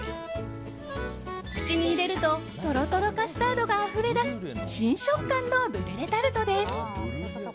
口に入れるとトロトロカスタードがあふれ出す新食感のブリュレタルトです。